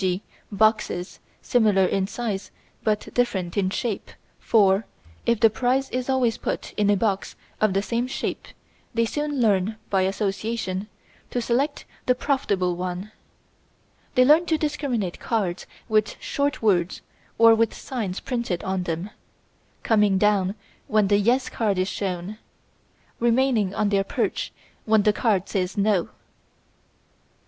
g. boxes similar in size but different in shape, for if the prize is always put in a box of the same shape they soon learn (by association) to select the profitable one. They learn to discriminate cards with short words or with signs printed on them, coming down when the "Yes" card is shown, remaining on their perch when the card says "No."